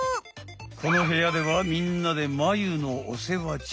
このへやではみんなでマユのお世話中。